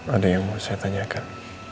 ada yang mau saya tanyakan